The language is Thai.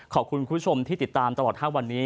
ขอบคุณคุณผู้ชมที่ติดตามตลอด๕วันนี้